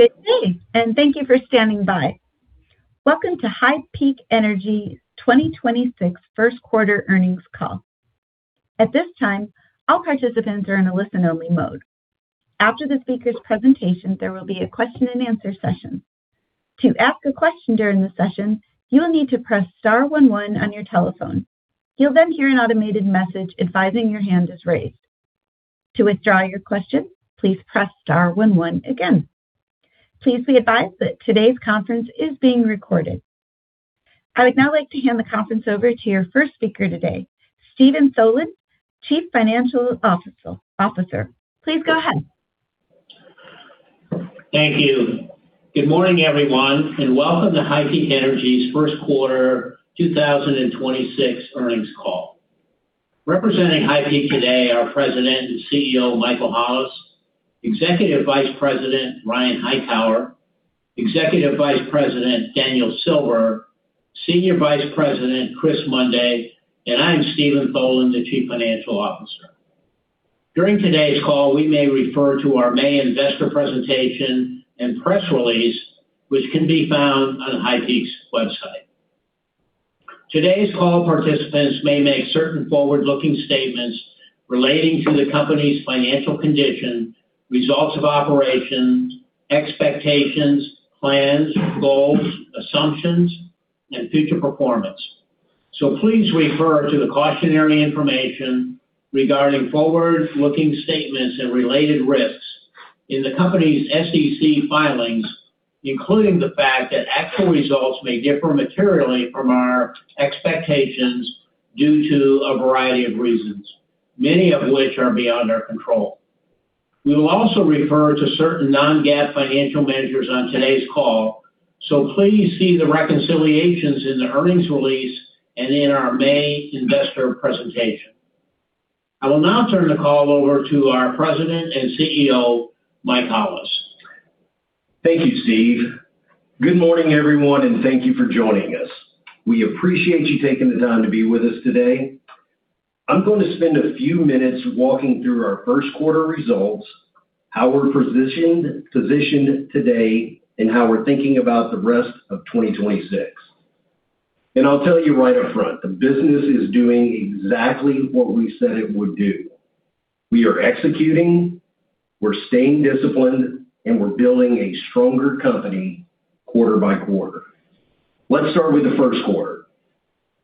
Good day. Thank you for standing by. Welcome to HighPeak Energy 2026 first quarter earnings call. At this time, all participants are in a listen-only mode. After the speaker's presentation, there will be a question and answer session. To ask a question during the session, you will need to press star one one on your telephone. You'll then hear an automated message advising your hand is raised. To withdraw your question, please press star one one again. Please be advised that today's conference is being recorded. I would now like to hand the conference over to your first speaker today, Steven Tholen, Chief Financial Officer. Please go ahead. Thank you. Good morning, everyone, and welcome to HighPeak Energy's 1st quarter 2026 earnings call. Representing HighPeak today, our President and CEO, Michael Hollis, Executive Vice President, Ryan Hightower, Executive Vice President, Daniel Silver, Senior Vice President, Chris Mundy, and I am Steven Tholen, the Chief Financial Officer. During today's call, we may refer to our May investor presentation and press release, which can be found on HighPeak's website. Today's call participants may make certain forward-looking statements relating to the company's financial condition, results of operations, expectations, plans, goals, assumptions, and future performance. Please refer to the cautionary information regarding forward-looking statements and related risks in the company's SEC filings, including the fact that actual results may differ materially from our expectations due to a variety of reasons, many of which are beyond our control. We will also refer to certain non-GAAP financial measures on today's call, so please see the reconciliations in the earnings release and in our May investor presentation. I will now turn the call over to our President and CEO, Mike Hollis. Thank you, Steve. Good morning, everyone, and thank you for joining us. We appreciate you taking the time to be with us today. I'm going to spend a few minutes walking through our first quarter results, how we're positioned today, and how we're thinking about the rest of 2026. I'll tell you right up front, the business is doing exactly what we said it would do. We are executing, we're staying disciplined, and we're building a stronger company quarter by quarter. Let's start with the first quarter.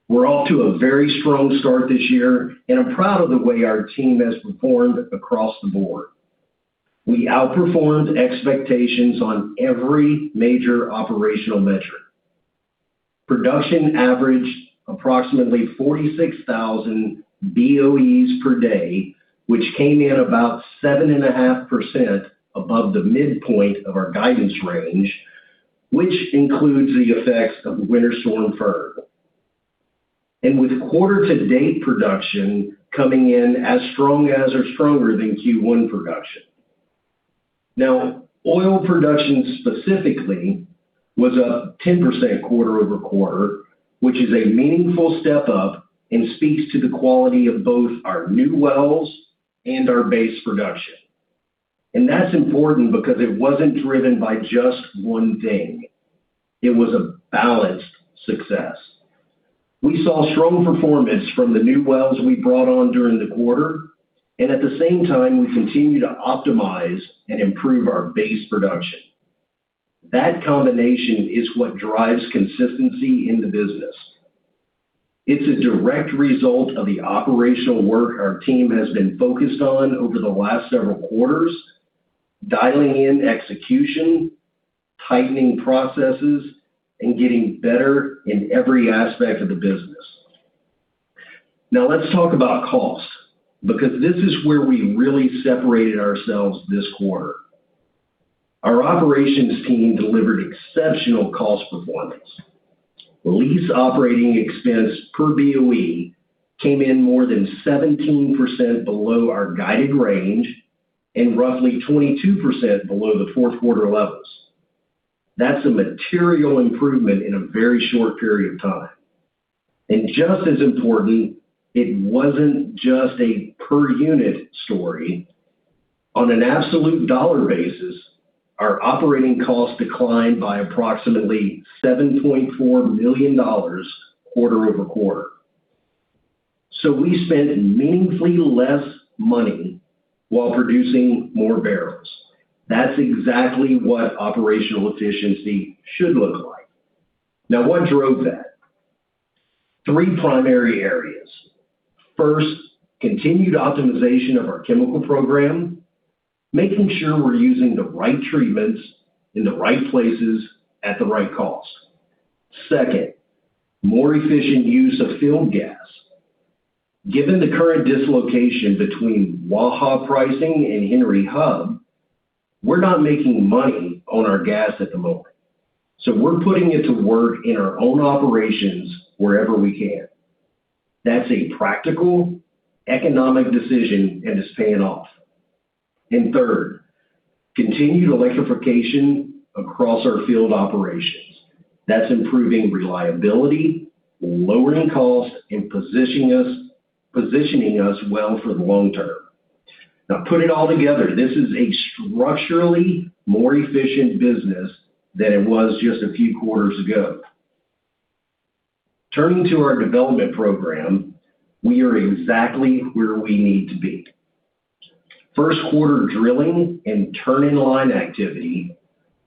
We're off to a very strong start this year, and I'm proud of the way our team has performed across the board. We outperformed expectations on every major operational measure. Production averaged approximately 46,000 BOEs per day, which came in about 7.5% above the midpoint of our guidance range, which includes the effects of Winter Storm Uri. With quarter-to-date production coming in as strong as or stronger than Q1 production. Now, oil production specifically was a 10% quarter-over-quarter, which is a meaningful step up and speaks to the quality of both our new wells and our base production. That's important because it wasn't driven by just one thing. It was a balanced success. We saw strong performance from the new wells we brought on during the quarter, and at the same time, we continue to optimize and improve our base production. That combination is what drives consistency in the business. It's a direct result of the operational work our team has been focused on over the last several quarters, dialing in execution, tightening processes, and getting better in every aspect of the business. Let's talk about cost, because this is where we really separated ourselves this quarter. Our operations team delivered exceptional cost performance. Lease operating expense per BOE came in more than 17% below our guided range and roughly 22% below the fourth quarter levels. That's a material improvement in a very short period of time. Just as important, it wasn't just a per unit story. On an absolute dollar basis, our operating costs declined by approximately $7.4 million quarter-over-quarter. We spent meaningfully less money while producing more barrels. That's exactly what operational efficiency should look like. What drove that? Three primary areas. First, continued optimization of our chemical program, making sure we're using the right treatments in the right places at the right cost. Second, more efficient use of field gas. Given the current dislocation between Waha pricing and Henry Hub, we're not making money on our gas at the moment. We're putting it to work in our own operations wherever we can. That's a practical economic decision, and it's paying off. Third, continued electrification across our field operations. That's improving reliability, lowering costs, and positioning us well for the long term. Put it all together, this is a structurally more efficient business than it was just a few quarters ago. Turning to our development program, we are exactly where we need to be. First quarter drilling and turning line activity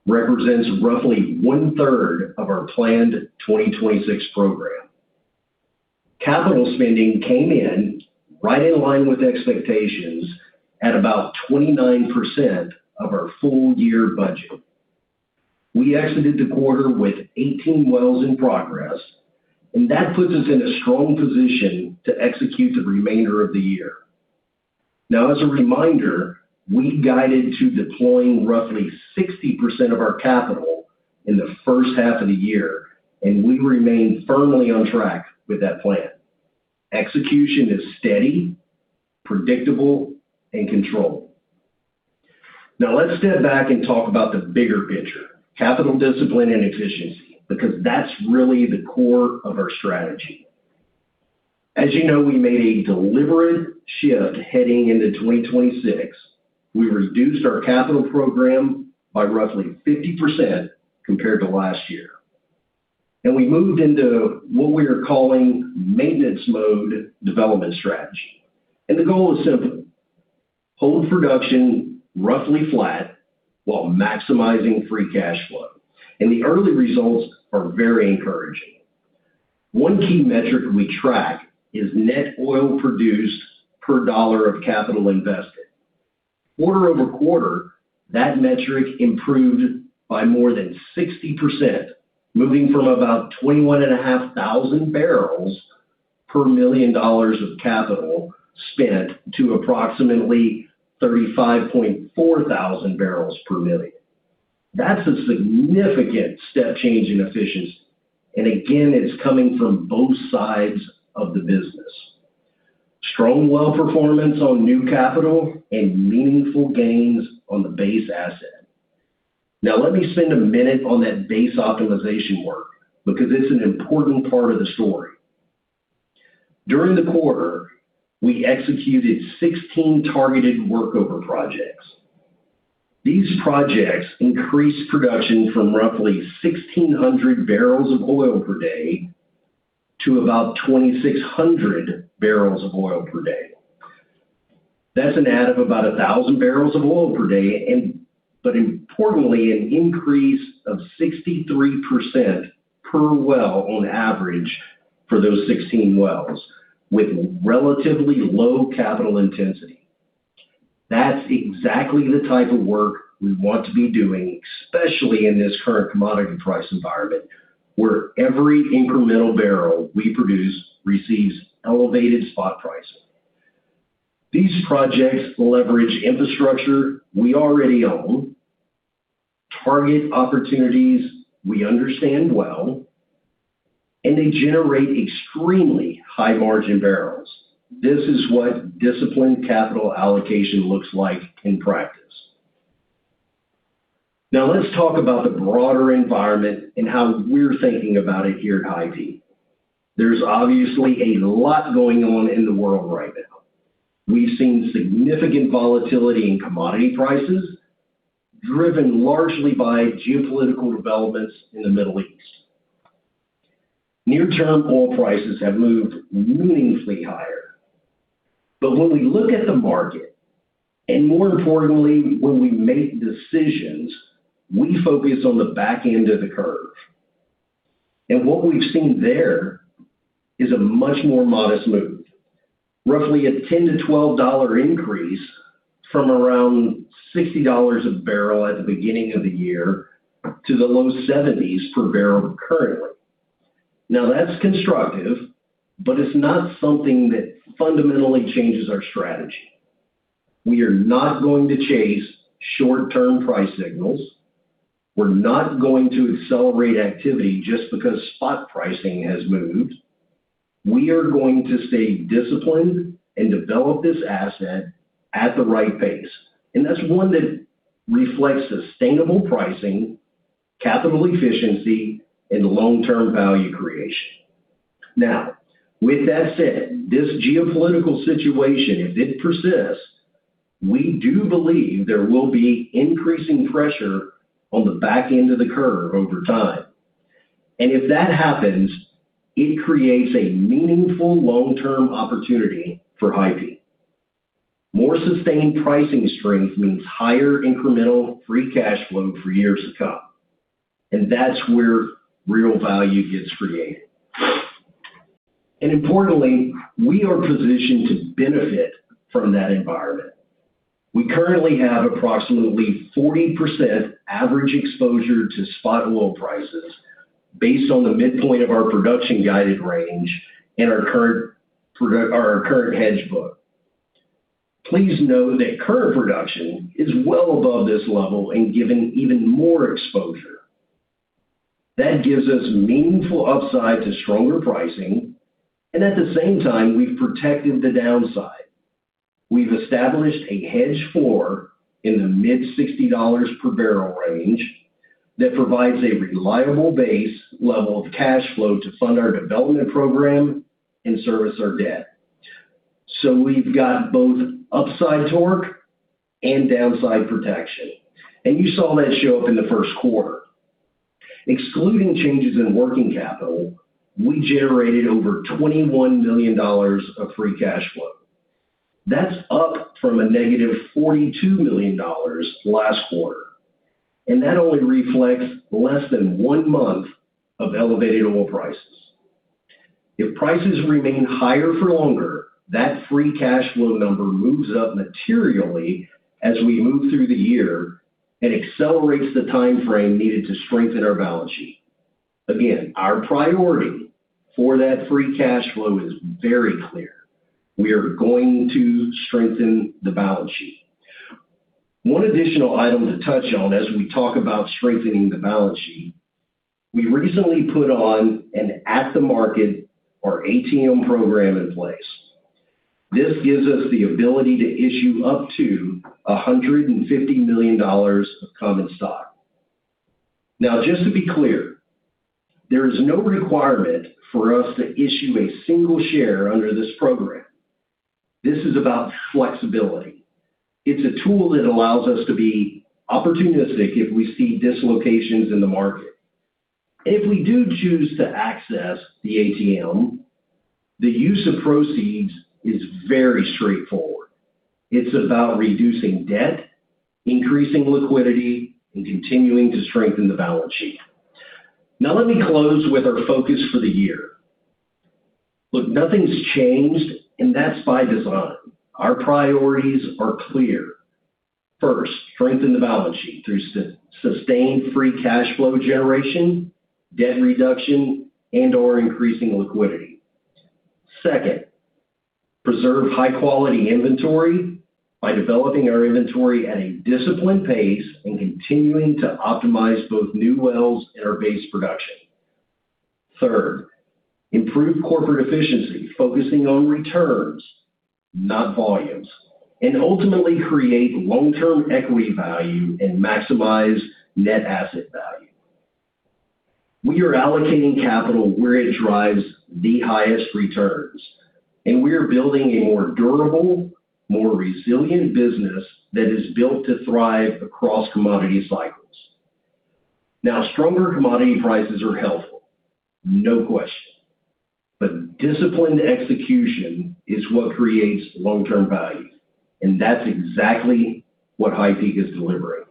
represents roughly 1/3 of our planned 2026 program. Capital spending came in right in line with expectations at about 29% of our full year budget. We exited the quarter with 18 wells in progress, and that puts us in a strong position to execute the remainder of the year. As a reminder, we guided to deploying roughly 60% of our capital in the first half of the year, and we remain firmly on track with that plan. Execution is steady, predictable, and controlled. Let's step back and talk about the bigger picture, capital discipline and efficiency, because that's really the core of our strategy. As you know, we made a deliberate shift heading into 2026. We reduced our capital program by roughly 50% compared to last year. We moved into what we are calling maintenance mode development strategy. The goal is simple: hold production roughly flat while maximizing free cash flow. The early results are very encouraging. One key metric we track is net oil produced per dollar of capital invested. Quarter-over-quarter, that metric improved by more than 60%, moving from about 21,500 bbl per $1 million of capital spent to approximately 35,400 bbl per $1 million. That's a significant step change in efficiency. Again, it's coming from both sides of the business. Strong well performance on new capital and meaningful gains on the base asset. Now, let me spend a minute on that base optimization work because it's an important part of the story. During the quarter, we executed 16 targeted workover projects. These projects increased production from roughly 1,600 bbl of oil per day to about 2,600 bbl of oil per day. That's an add of about 1,000 bbl of oil per day and, but importantly, an increase of 63% per well on average for those 16 wells with relatively low capital intensity. That's exactly the type of work we want to be doing, especially in this current commodity price environment, where every incremental barrel we produce receives elevated spot pricing. These projects leverage infrastructure we already own, target opportunities we understand well, and they generate extremely high-margin barrels. This is what disciplined capital allocation looks like in practice. Now let's talk about the broader environment and how we're thinking about it here at HighPeak. There's obviously a lot going on in the world right now. We've seen significant volatility in commodity prices, driven largely by geopolitical developments in the Middle East. Near-term oil prices have moved meaningfully higher. When we look at the market, and more importantly, when we make decisions, we focus on the back end of the curve. What we've seen there is a much more modest move, roughly a $10-$12 increase from around $60 a barrel at the beginning of the year to the low $70s per barrel currently. That's constructive, but it's not something that fundamentally changes our strategy. We are not going to chase short-term price signals. We're not going to accelerate activity just because spot pricing has moved. We are going to stay disciplined and develop this asset at the right pace. That's one that reflects sustainable pricing, capital efficiency, and long-term value creation. With that said, this geopolitical situation, if it persists, we do believe there will be increasing pressure on the back end of the curve over time. If that happens, it creates a meaningful long-term opportunity for HighPeak. More sustained pricing strength means higher incremental free cash flow for years to come, that's where real value gets created. Importantly, we are positioned to benefit from that environment. We currently have approximately 40% average exposure to spot oil prices based on the midpoint of our production guided range and our current hedge book. Please know that current production is well above this level giving even more exposure. That gives us meaningful upside to stronger pricing. At the same time, we've protected the downside. We've established a hedge floor in the mid $60 per barrel range that provides a reliable base level of cash flow to fund our development program and service our debt. We've got both upside torque and downside protection. You saw that show up in the first quarter. Excluding changes in working capital, we generated over $21 million of free cash flow. That's up from a negative $42 million last quarter, and that only reflects less than one month of elevated oil prices. If prices remain higher for longer, that free cash flow number moves up materially as we move through the year and accelerates the timeframe needed to strengthen our balance sheet. Again, our priority for that free cash flow is very clear. We are going to strengthen the balance sheet. One additional item to touch on as we talk about strengthening the balance sheet, we recently put on an at-the-market or ATM program in place. This gives us the ability to issue up to $150 million of common stock. Just to be clear, there is no requirement for us to issue a single share under this program. This is about flexibility. It's a tool that allows us to be opportunistic if we see dislocations in the market. If we do choose to access the ATM, the use of proceeds is very straightforward. It's about reducing debt, increasing liquidity, and continuing to strengthen the balance sheet. Let me close with our focus for the year. Look, nothing's changed, and that's by design. Our priorities are clear. First, strengthen the balance sheet through sustained free cash flow generation, debt reduction, and/or increasing liquidity. Second, preserve high-quality inventory by developing our inventory at a disciplined pace and continuing to optimize both new wells and our base production. Third, improve corporate efficiency, focusing on returns, not volumes, and ultimately create long-term equity value and maximize net asset value. We are allocating capital where it drives the highest returns, and we are building a more durable, more resilient business that is built to thrive across commodity cycles. Now, stronger commodity prices are helpful, no question. Disciplined execution is what creates long-term value, and that's exactly what HighPeak is delivering.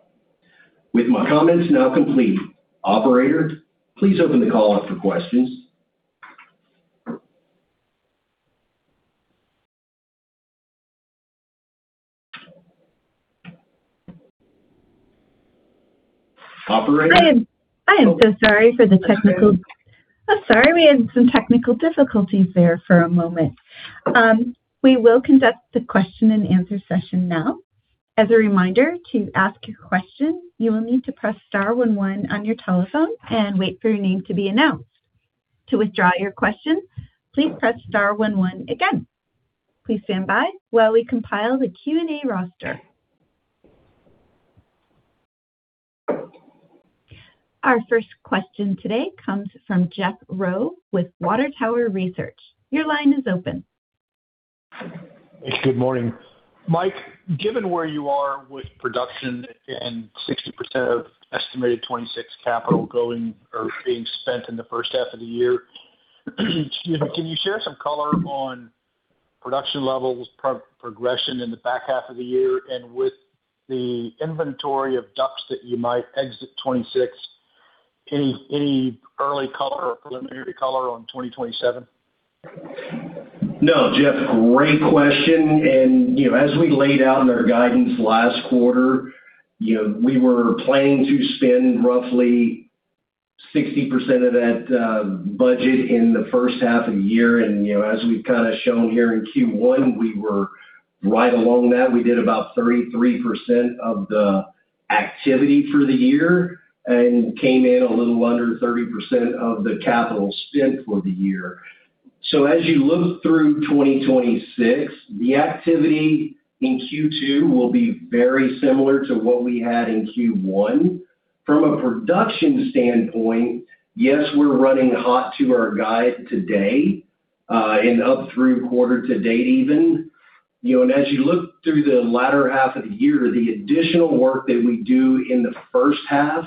With my comments now complete, operator, please open the call up for questions. Operator? I am so sorry for the technical Operator? I'm sorry, we had some technical difficulties there for a moment. We will conduct the question-and-answer session now. As a reminder, to ask a question, you will need to press star one one on your telephone and wait for your name to be announced. To withdraw your question, please press star one one again. Please stand by while we compile the Q&A roster. Our first question today comes from Jeff Robertson with Water Tower Research. Your line is open. Good morning. Mike, given where you are with production and 60% of estimated 2026 capital going or being spent in the first half of the year, can you share some color on production levels, progression in the back half of the year and with the inventory of DUCs that you might exit 2026? Any early color or preliminary color on 2027? Jeff, great question. You know, as we laid out in our guidance last quarter, you know, we were planning to spend roughly 60% of that budget in the first half of the year. You know, as we've kind of shown here in Q1, we were right along that. We did about 33% of the activity for the year and came in a little under 30% of the capital spent for the year. As you look through 2026, the activity in Q2 will be very similar to what we had in Q1. From a production standpoint, yes, we're running hot to our guide today and up through quarter to date even. You know, and as you look through the latter half of the year, the additional work that we do in the first half,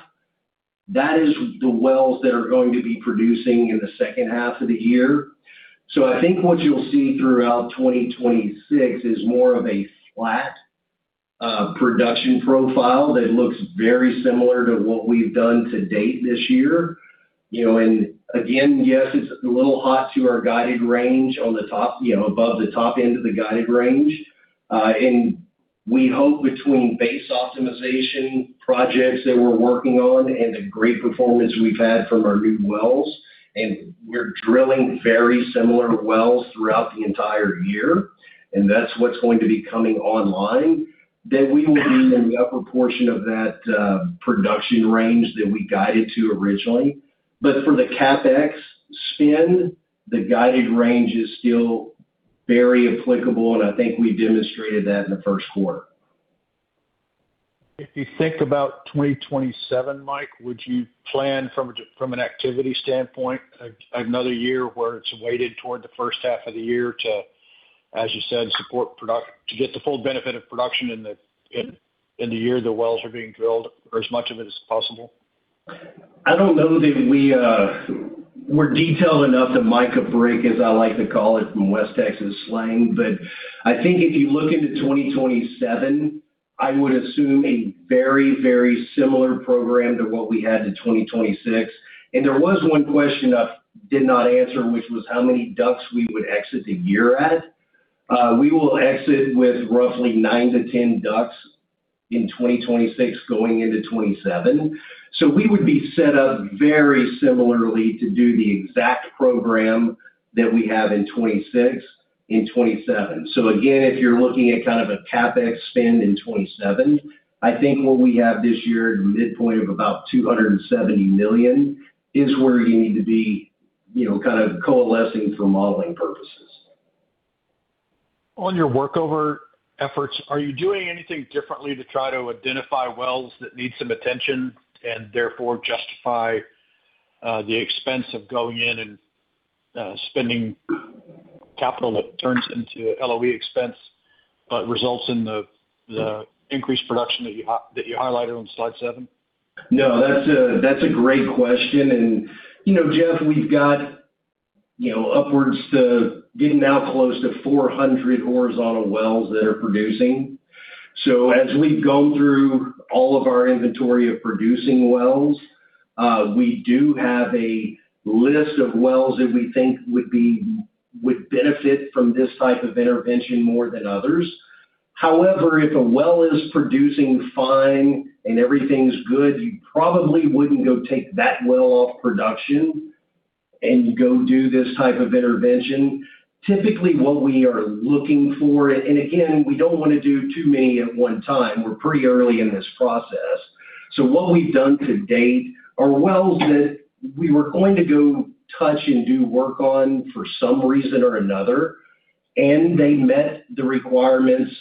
that is the wells that are going to be producing in the second half of the year. I think what you'll see throughout 2026 is more of a flat, production profile that looks very similar to what we've done to date this year. You know, and again, yes, it's a little hot to our guided range on the top, you know, above the top end of the guided range. We hope between base optimization projects that we're working on and the great performance we've had from our new wells, and we're drilling very similar wells throughout the entire year, and that's what's going to be coming online, that we will be in the upper portion of that production range that we guided to originally. For the CapEx spend, the guided range is still very applicable, and I think we demonstrated that in the first quarter. If you think about 2027, Mike, would you plan from an activity standpoint, another year where it's weighted toward the first half of the year to, as you said, support to get the full benefit of production in the year the wells are being drilled, or as much of it as possible? I don't know that we're detailed enough to mic a break, as I like to call it from West Texas slang. I think if you look into 2027, I would assume a very, very similar program to what we had to 2026. There was one question I did not answer, which was how many DUCs we would exit the year at. We will exit with roughly nine to 10 DUCs in 2026 going into 2027. We would be set up very similarly to do the exact program that we have in 2026, in 2027. Again, if you're looking at kind of a CapEx spend in 2027, I think what we have this year at a midpoint of about $270 million is where you need to be, you know, kind of coalescing for modeling purposes. On your workover efforts, are you doing anything differently to try to identify wells that need some attention and therefore justify the expense of going in and spending capital that turns into LOE expense but results in the increased production that you highlighted on slide seven? No, that's a great question. You know, Jeff, we've got, you know, upwards to getting now close to 400 horizontal wells that are producing. As we go through all of our inventory of producing wells, we do have a list of wells that we think would benefit from this type of intervention more than others. However, if a well is producing fine and everything's good, you probably wouldn't go take that well off production and go do this type of intervention. Typically, what we are looking for, and again, we don't wanna do too many at one time. We're pretty early in this process. What we've done to date are wells that we were going to go touch and do work on for some reason or another, and they met the requirements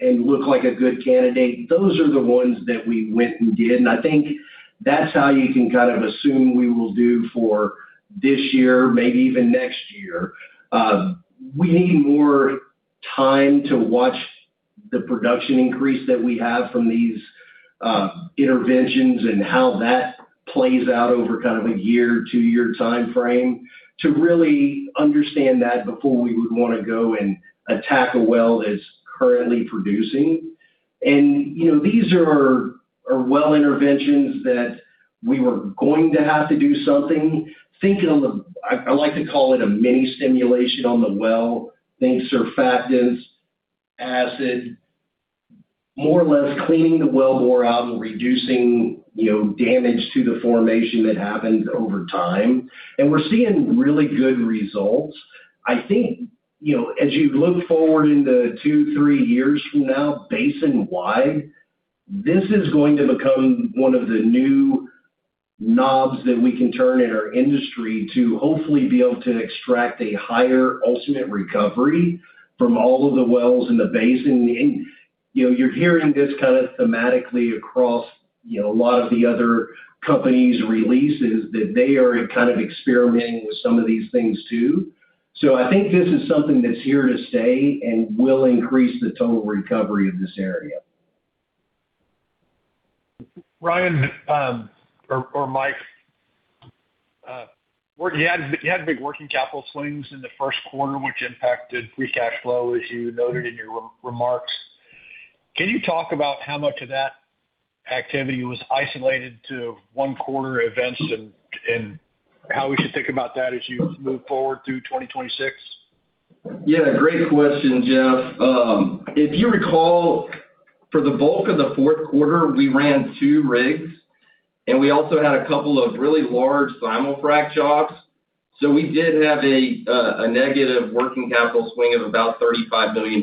and look like a good candidate. Those are the ones that we went and did. I think that's how you can kind of assume we will do for this year, maybe even next year. We need more time to watch the production increase that we have from these interventions and how that plays out over kind of a year, two-year timeframe to really understand that before we would wanna go and attack a well that's currently producing. You know, these are well interventions that we were going to have to do something. Think on the I like to call it a mini stimulation on the well. Think surfactants, acid, more or less cleaning the well bore out and reducing, you know, damage to the formation that happens over time. We're seeing really good results. I think, you know, as you look forward into two, three years from now, basin wide, this is going to become one of the new knobs that we can turn in our industry to hopefully be able to extract a higher ultimate recovery from all of the wells in the basin. You know, you're hearing this kind of thematically across, you know, a lot of the other companies' releases that they are kind of experimenting with some of these things too. I think this is something that's here to stay and will increase the total recovery of this area. Ryan, or Mike, you had big working capital swings in the first quarter, which impacted free cash flow, as you noted in your remarks. Can you talk about how much of that activity was isolated to one quarter events and how we should think about that as you move forward through 2026? Yeah, great question, Jeff. If you recall, for the bulk of the fourth quarter, we ran two rigs, and we also had a couple of really large simul-frac jobs. We did have a negative working capital swing of about $35 million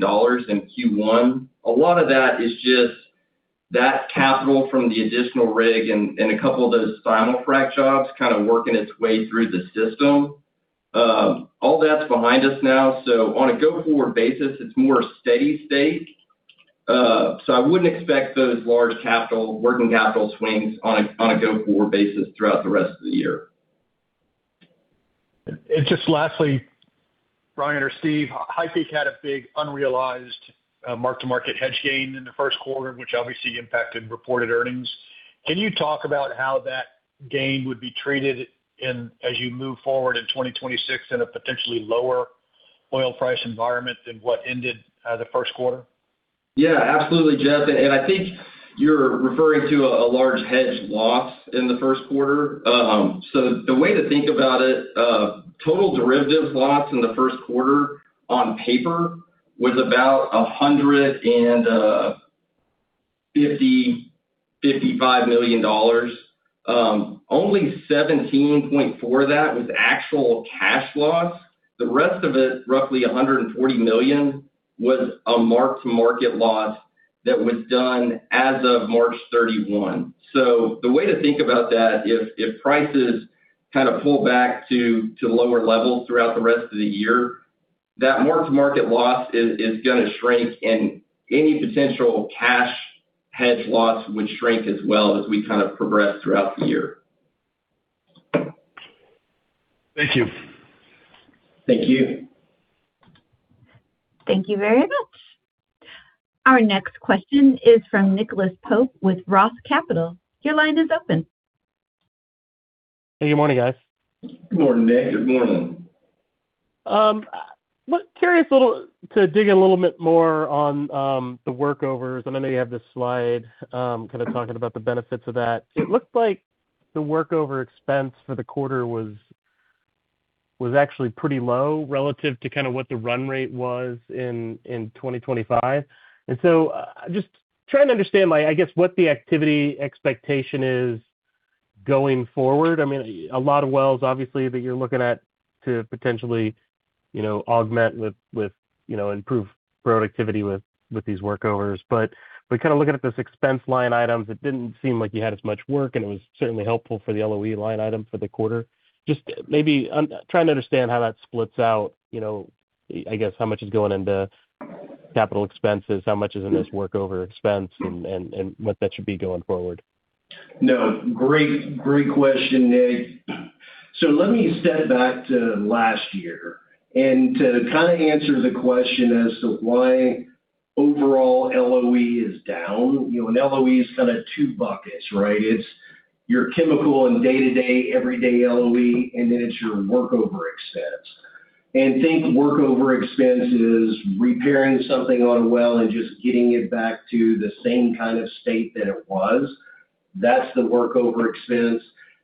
in Q1. A lot of that is just that capital from the additional rig and a couple of those simul-frac jobs kind of working its way through the system. All that's behind us now, on a go-forward basis, it's more steady state. I wouldn't expect those large capital, working capital swings on a go-forward basis throughout the rest of the year. Just lastly, Ryan or Steve, HighPeak had a big unrealized mark-to-market hedge gain in the first quarter, which obviously impacted reported earnings. Can you talk about how that gain would be treated as you move forward in 2026 in a potentially lower oil price environment than what ended the first quarter? Yeah, absolutely, Jeff. I think you're referring to a large hedge loss in the first quarter. The way to think about it, total derivatives loss in the first quarter on paper was about $155 million. Only $17.4 of that was actual cash loss. The rest of it, roughly $140 million, was a mark-to-market loss. That was done as of March 31. The way to think about that, if prices kind of pull back to lower levels throughout the rest of the year, that mark-to-market loss is gonna shrink and any potential cash hedge loss would shrink as well as we kind of progress throughout the year. Thank you. Thank you. Thank you very much. Our next question is from Nicholas Pope with Roth Capital. Your line is open. Hey, good morning, guys. Good morning, Nick. Good morning. Curious to dig a little bit more on the workovers. I know you have the slide, kind of talking about the benefits of that. It looked like the workover expense for the quarter was actually pretty low relative to kind of what the run rate was in 2025. Just trying to understand, like, I guess, what the activity expectation is going forward. I mean, a lot of wells obviously that you're looking at to potentially, you know, augment with, improve productivity with these workovers. Kind of looking at this expense line item, it didn't seem like you had as much work, and it was certainly helpful for the LOE line item for the quarter. Just maybe, trying to understand how that splits out, you know, I guess how much is going into capital expenses, how much is in this workover expense and what that should be going forward. No, great question, Nick. Let me step back to last year and to kind of answer the question as to why overall LOE is down. You know, an LOE is kind of two buckets, right? It's your chemical and day-to-day, everyday LOE, and then it's your workover expense. Think workover expense is repairing something on a well and just getting it back to the same kind of state that it was. That's the workover expense.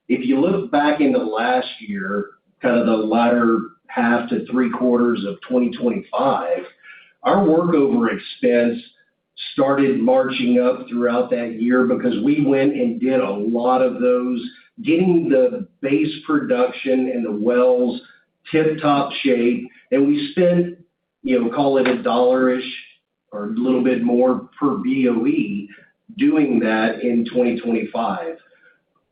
If you look back into last year, kind of the latter half to three quarters of 2025, our workover expense started marching up throughout that year because we went and did a lot of those, getting the base production and the wells tip-top shape. We spent, you know, call it a dollar-ish or a little bit more per BOE doing that in 2025.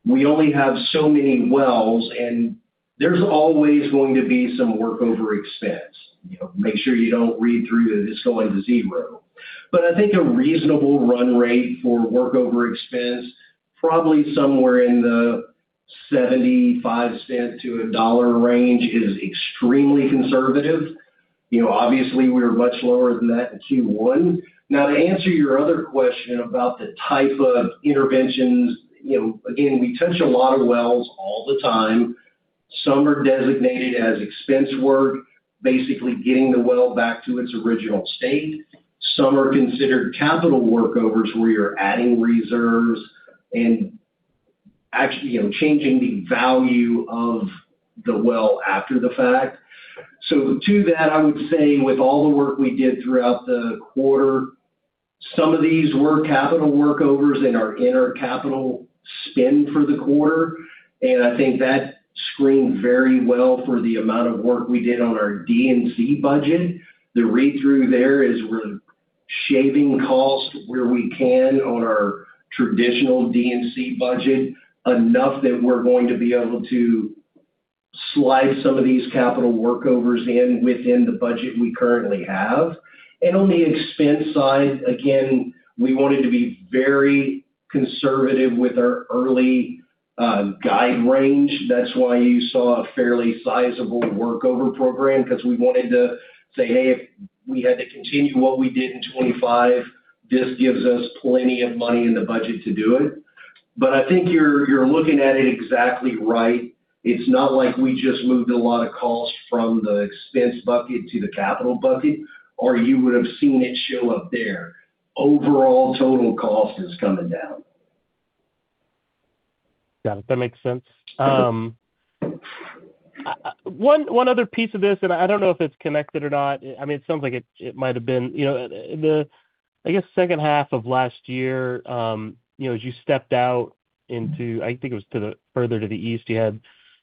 We only have so many wells. There's always going to be some workover expense. You know, make sure you don't read through that it's going to zero. I think a reasonable run rate for workover expense, probably somewhere in the $0.75-$1.00 range is extremely conservative. You know, obviously we were much lower than that in Q1. To answer your other question about the type of interventions, you know, again, we touch a lot of wells all the time. Some are designated as expense work, basically getting the well back to its original state. Some are considered capital workovers, where you're adding reserves and actually, you know, changing the value of the well after the fact. To that, I would say with all the work we did throughout the quarter, some of these were capital workovers in our inner capital spend for the quarter. I think that screened very well for the amount of work we did on our D&C budget. The read-through there is we're shaving costs where we can on our traditional D&C budget, enough that we're going to be able to slice some of these capital workovers in within the budget we currently have. On the expense side, again, we wanted to be very conservative with our early guide range. That's why you saw a fairly sizable workover program because we wanted to say, "Hey, if we had to continue what we did in 2025, this gives us plenty of money in the budget to do it." I think you're looking at it exactly right. It's not like we just moved a lot of costs from the expense bucket to the capital bucket, or you would have seen it show up there. Overall total cost is coming down. Got it. That makes sense. One other piece of this, and I don't know if it's connected or not. I mean, it sounds like it might have been. You know, the I guess second half of last year, you know, as you stepped out into I think it was further to the east, you had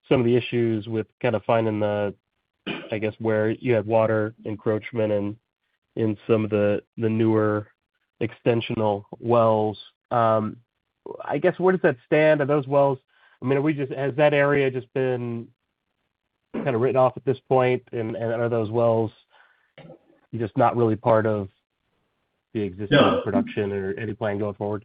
some of the issues with kind of finding the, I guess, where you had water encroachment in some of the newer extensional wells. I guess where does that stand? Are those wells I mean, has that area just been kind of written off at this point? And are those wells just not really part of the existing production or any plan going forward?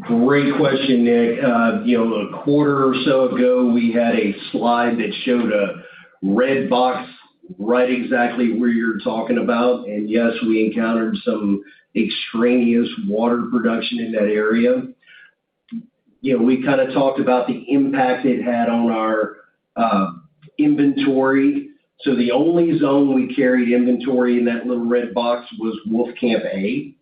Great question, Nick. You know, a quarter or so ago, we had a slide that showed a red box right exactly where you're talking about. Yes, we encountered some extraneous water production in that area. You know, we kind of talked about the impact it had on our inventory. The only zone we carried inventory in that little red box was Wolfcamp A.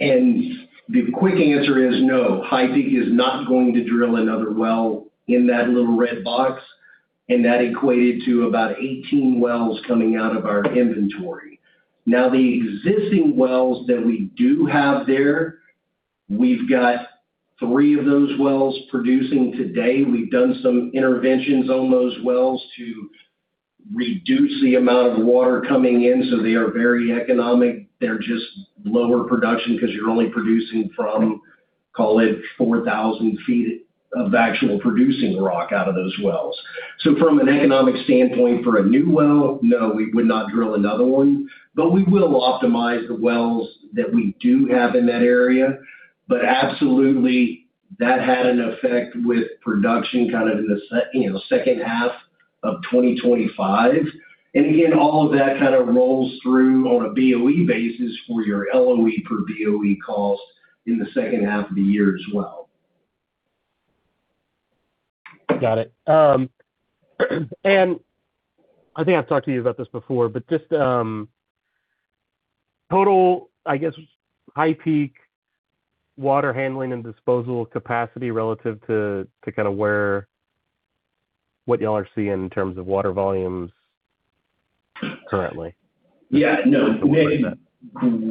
The quick answer is no, HighPeak is not going to drill another well in that little red box, and that equated to about 18 wells coming out of our inventory. The existing wells that we do have there, we've got three of those wells producing today. We've done some interventions on those wells to reduce the amount of water coming in, they are very economic. They're just lower production because you're only producing from, call it 4,000 ft of actual producing rock out of those wells. From an economic standpoint for a new well, no, we would not drill another one, but we will optimize the wells that we do have in that area. Absolutely, that had an effect with production kind of in the, you know, second half of 2025. Again, all of that kind of rolls through on a BOE basis for your LOE per BOE cost in the second half of the year as well. Got it. I think I've talked to you about this before, but just, total, I guess, HighPeak water handling and disposal capacity relative to, what y'all are seeing in terms of water volumes currently. Yeah, no, Nick,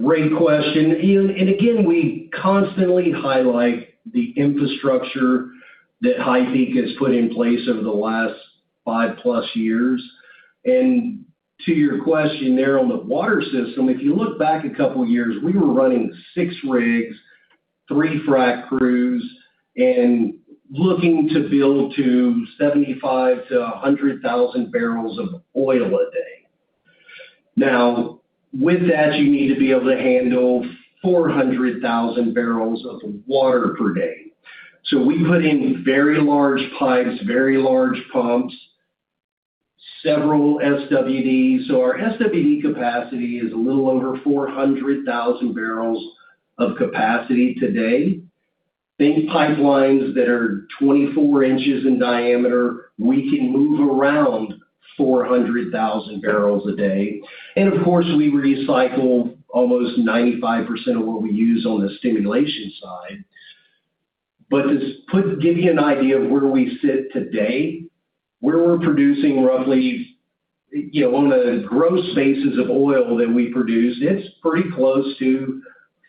great question. Again, we constantly highlight the infrastructure that HighPeak has put in place over the last 5+ years. To your question there on the water system, if you look back two years, we were running six rigs, three frac crews, and looking to build to 75,000 bbl-100,000 bbl of oil a day. Now, with that, you need to be able to handle 400,000 bbl of water per day. We put in very large pipes, very large pumps, several SWDs. Our SWD capacity is a little over 400,000 bbl of capacity today. These pipelines that are 24 inches in diameter, we can move around 400,000 bbl a day. Of course, we recycle almost 95% of what we use on the stimulation side. To give you an idea of where we sit today, where we're producing roughly, you know, on the gross basis of oil that we produce, it's pretty close to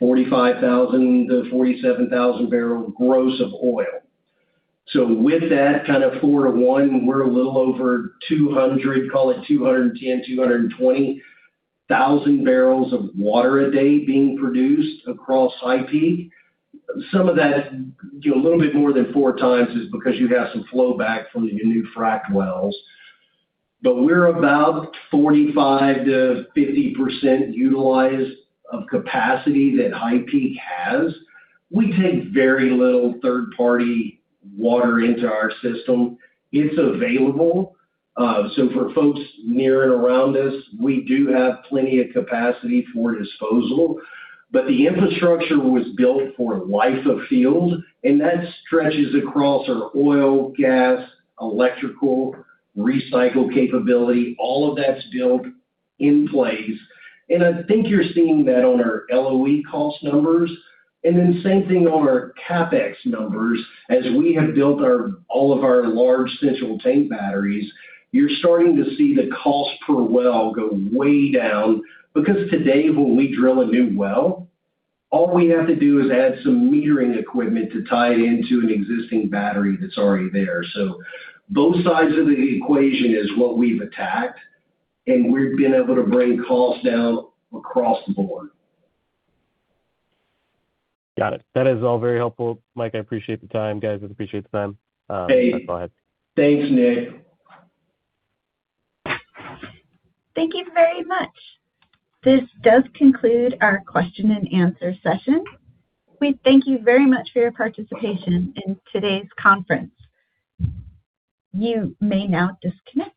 45,000 bbl-47,000 bbl gross of oil. With that kind of four to one, we're a little over 200,000 bbl, call it 210,000 bbl, 220,000 bbl of water a day being produced across HighPeak. Some of that, you know, a little bit more than four times is because you have some flow back from your new fracked wells. We're about 45%-50% utilized of capacity that HighPeak has. We take very little third-party water into our system. It's available. For folks near and around us, we do have plenty of capacity for disposal. The infrastructure was built for life of field, and that stretches across our oil, gas, electrical recycle capability. All of that's built in place. I think you're seeing that on our LOE cost numbers. Same thing on our CapEx numbers. As we have built all of our large central tank batteries, you're starting to see the cost per well go way down because today, when we drill a new well, all we have to do is add some metering equipment to tie it into an existing battery that's already there. Both sides of the equation is what we've attacked, and we've been able to bring costs down across the board. Got it. That is all very helpful. Mike, I appreciate the time. Guys, I appreciate the time. Have fun. Thanks, Nick. Thank you very much. This does conclude our question and answer session. We thank you very much for your participation in today's conference. You may now disconnect.